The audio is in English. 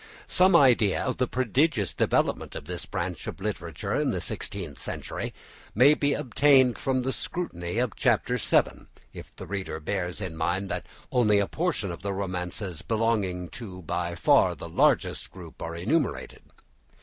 Some idea of the prodigious development of this branch of literature in the sixteenth century may be obtained from the scrutiny of Chapter VII, if the reader bears in mind that only a portion of the romances belonging to by far the largest group are enumerated.